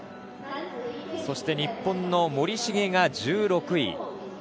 そして日本の森重が１６位。